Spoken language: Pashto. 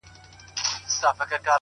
په مړاوو گوتو كي قوت ډېر سي،